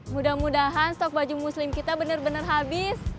mudah mudahan stok baju muslim kita bener bener habis